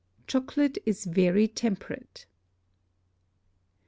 Chocolate is very Temperate.